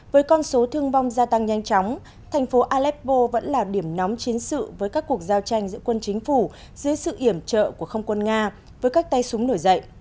với con số thương vong gia tăng nhanh chóng thành phố aleppo vẫn là điểm nóng chiến sự với các cuộc giao tranh giữa quân chính phủ dưới sự iểm trợ của không quân nga với các tay súng nổi dậy